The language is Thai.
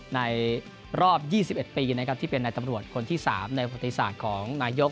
ในรอบ๒๑ปีที่เป็นนายตำรวจคนที่๓ในวัทยาคลิสาทของนายก